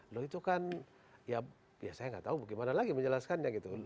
loh itu kan ya saya nggak tahu bagaimana lagi menjelaskannya gitu